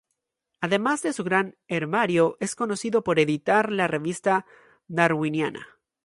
Además de su gran herbario, es conocido por editar la revista "Darwiniana".